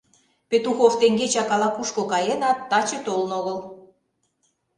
— Петухов теҥгечак ала-кушко каенат, таче толын огыл.